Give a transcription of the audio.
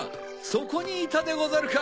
そこにいたでござるか！